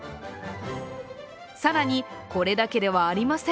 更にこれだけではありません。